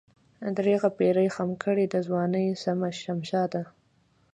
درېغه پيرۍ خم کړې دَځوانۍ سمه شمشاده